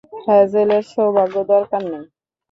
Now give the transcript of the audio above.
হ্যাজেলের সৌভাগ্য দরকার নেই।